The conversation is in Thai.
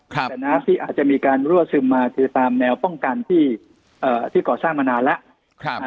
แต่น้ำที่อาจจะมีการรั่วซึมมาคือตามแนวป้องกันที่ก่อสร้างมานานแล้ว